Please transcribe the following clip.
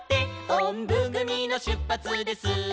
「おんぶぐみのしゅっぱつです」